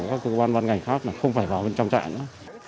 các cơ quan văn ngành khác không phải vào bên trong trại nữa